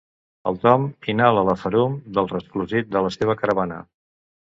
El Tom inhala la ferum de resclosit de la seva caravana.